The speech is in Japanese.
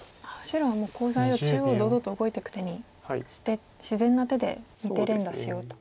白はもうコウ材を中央堂々と動いていく手にして自然な手で２手連打しようと。